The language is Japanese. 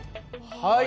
はい。